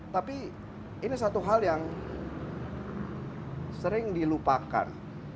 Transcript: tapi ini satu hal yang sering dilupakan